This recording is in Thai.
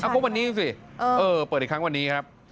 ก็วันนี้สิเปิดอีกครั้งวันนี้ครับ